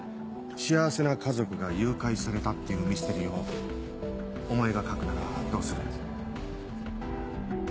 幸せな家族が誘拐されたっていうミステリーをお前が書くならどうする？